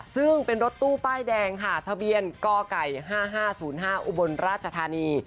ซึ่งเป็นรถตู้ป้ายแดงค่ะทะเบียนกไก่๕๕๐๕อุบลราชธานี